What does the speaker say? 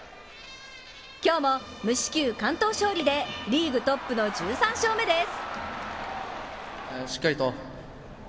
今日も無四球完投勝利でリーグトップの１３勝目です。